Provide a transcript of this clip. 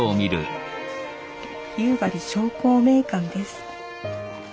「夕張商工名鑑」です。